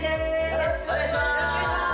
よろしくお願いします！